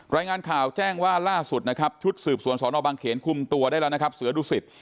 รายงานข่าวแจ้งว่าล่าสุดนะครับชุดสืบสวนสอนอบางเขนคุมตัวได้แล้วนะครับเสือดุสิต